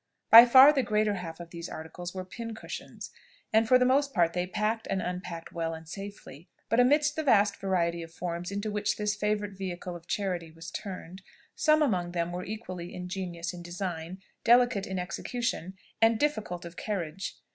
By far the greater half of these articles were pincushions, and for the most part they packed and unpacked well and safely; but amidst the vast variety of forms into which this favourite vehicle of charity was turned, some among them were equally ingenious in design, delicate in execution, and difficult of carriage.